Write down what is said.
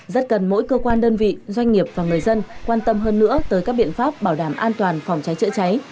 rất cần mỗi cơ quan đơn vị doanh nghiệp và người dân quan tâm hơn nữa tới các biện pháp bảo đảm an toàn phòng cháy chữa cháy